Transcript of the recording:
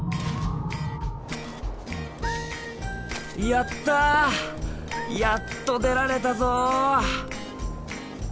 やったやっと出られたぞ！